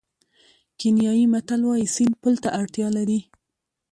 کینیايي متل وایي سیند پل ته اړتیا لري.